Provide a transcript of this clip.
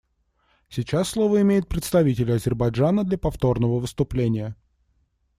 Сейчас слово имеет представитель Азербайджана для повторного выступления.